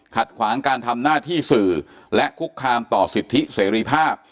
ขวางการทำหน้าที่สื่อและคุกคามต่อสิทธิเสรีภาพ